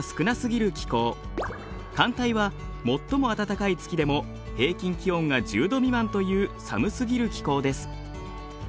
寒帯は最も暖かい月でも平均気温が１０度未満という寒すぎる気候です。